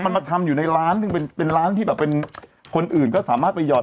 มันมาทำอยู่ในร้านหนึ่งเป็นเป็นร้านที่แบบเป็นคนอื่นก็สามารถไปห่อน